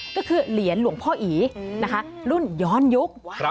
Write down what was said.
ก็คือเหรียญหลวงพ่ออีนะคะรุ่นย้อนยุค